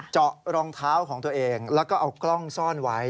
เจาะรองเท้าของตัวเองแล้วก็เอากล้องซ่อนไว้